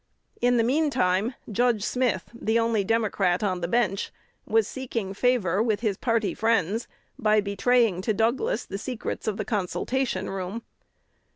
In the mean time Judge Smith, the only Democrat on the bench, was seeking favor with his party friends by betraying to Douglas the secrets of the consultation room.